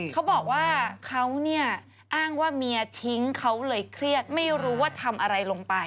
เขาบอกว่าเขาเนี่ยอ้างว่าเมียทิ้งเขาเลยเครียดไม่รู้ว่าทำอะไรลงไป